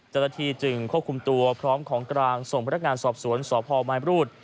เจ้าหน้าที่จึงควบคุมตัวพร้อมของกลางส่งพนักงานสอบสวนสพมายมรูด